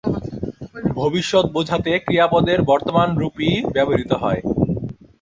ভবিষ্যৎ বোঝাতে ক্রিয়াপদের বর্তমান রূপই ব্যবহূত হয়।